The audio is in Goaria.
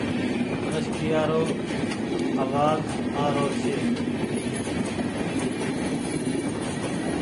رڪسيا رو آواز آ رو ڇي۔